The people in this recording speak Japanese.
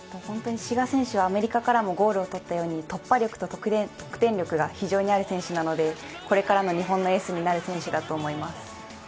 志賀選手はアメリカからもゴールを取ったように突破力と得点力が非常にある選手なのでこれからの日本のエースになる選手だと思います。